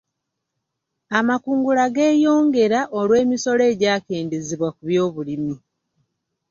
Amakungula geeyongera olw'emisoso egyakendeezebwa ku by'obulimi.